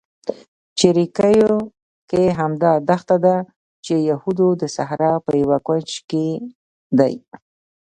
جیریکو چې همدا دښته ده، د یهودو د صحرا په یوه کونج کې دی.